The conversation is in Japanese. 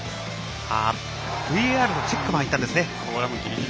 ＶＡＲのチェックも入ったんですね。